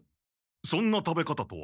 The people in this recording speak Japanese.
そんな食べ方とは？